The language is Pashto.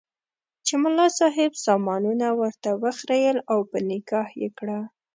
چې ملا صاحب سامانونه ورته وخریېل او په نکاح یې کړه.